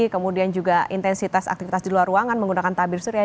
kemudian juga intensitas aktivitas di luar ruangan menggunakan tabir surya